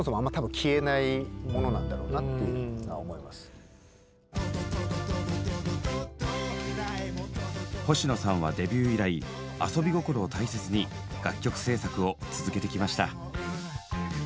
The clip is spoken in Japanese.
何かそういう星野さんはデビュー以来「アソビゴコロ」を大切に楽曲制作を続けてきました。